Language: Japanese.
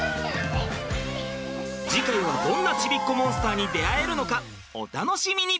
次回はどんなちびっこモンスターに出会えるのかお楽しみに！